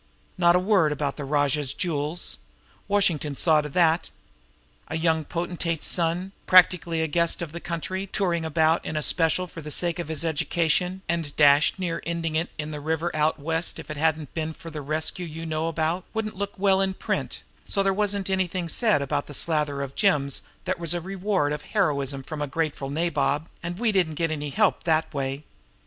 Not a word about the Rajah's jewels. Washington saw to that! A young potentate's son, practically the guest of the country, touring about in a special for the sake of his education, and dashed near 'ending it in the river out West if it hadn't been for the rescue you know about, wouldn't look well in print; so there wasn't anything said about the slather of gems that was the reward of heroism from a grateful nabob, and we didn't get any help that way.